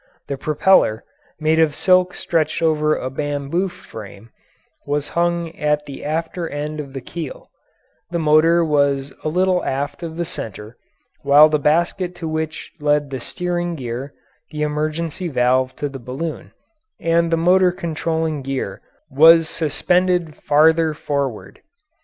The propeller, made of silk stretched over a bamboo frame, was hung at the after end of the keel; the motor was a little aft of the centre, while the basket to which led the steering gear, the emergency valve to the balloon, and the motor controlling gear was suspended farther forward.